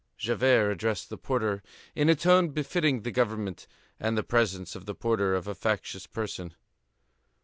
Javert addressed the porter in a tone befitting the government, and the presence of the porter of a factious person.